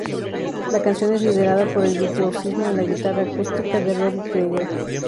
La canción es liderada por el virtuosismo en la guitarra acústica de Robby Krieger.